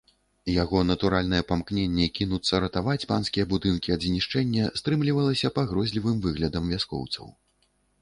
Яго натуральнае памкненне кінуцца ратаваць панскія будынкі ад знішчэння стрымліваліся пагрозлівым выглядам вяскоўцаў.